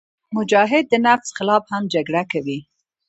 مجاهد د نفس خلاف هم جګړه کوي.